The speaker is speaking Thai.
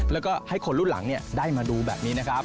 แล้วก็ให้คนรุ่นหลังได้มาดูแบบนี้นะครับ